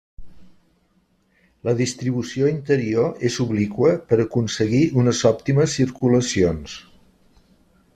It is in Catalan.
La distribució interior és obliqua per aconseguir unes òptimes circulacions.